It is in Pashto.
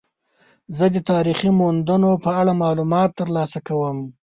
زه د تاریخي موندنو په اړه معلومات ترلاسه کوم.